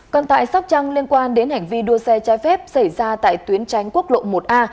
còn tại sóc trăng liên quan đến hành vi đua xe trái phép xảy ra tại tuyến tránh quốc lộ một a